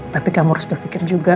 tapi kamu harus berpikir juga